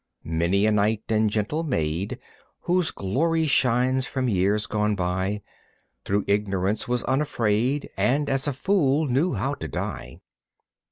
Many a knight and gentle maid, Whose glory shines from years gone by, Through ignorance was unafraid And as a fool knew how to die.